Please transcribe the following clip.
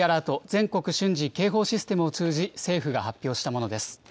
・全国瞬時警報システムを通じ、政府が発表したものです。